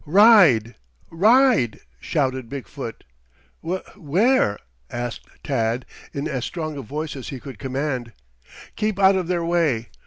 "Ride! Ride!" shouted Big foot. "Wh where?" asked Tad in as strong a voice as he could command. "Keep out of their way.